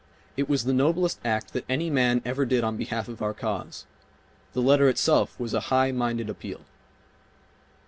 It was the noblest act that any man ever did on behalf of our cause. The letter itself was a high minded appeal